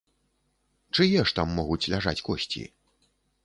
Чые ж там могуць ляжаць косці?